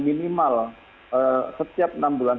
minimal setiap enam bulan